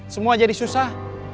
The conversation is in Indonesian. semua jadi susah